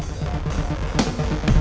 suhaib langsung seperti itu